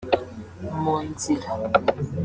mu nzira